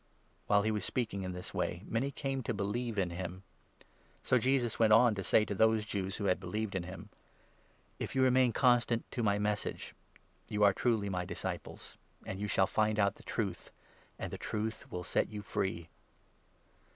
" While he was speaking in this way, many came to believe in 30 him. So Jesus went on to say to those Jews who had believed him : 31 " If you remain constant to my Message, you are truly my disciples ; and you shall find out the Truth, and the Truth will 32 set you free."